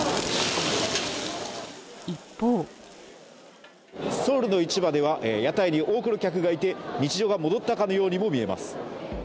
一方ソウルの市場では屋台に多くの客がいて日常が戻ったかのようにも見えます。